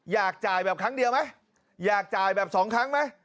อยากจ่ายแบบครั้งเดียวไหมอยากจ่ายแบบสองครั้งไหม